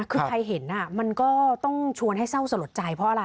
คือใครเห็นมันก็ต้องชวนให้เศร้าสลดใจเพราะอะไร